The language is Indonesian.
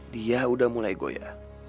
dia udah mulai goya